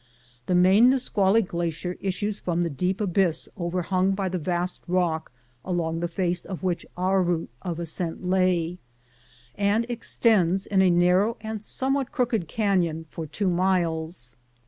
The main Nisqually glacier issues from the deep abyss overhung by the vast rock along the face of which our route of ascent lay, and extends in a narrow and somewhat crooked canyon for two miles.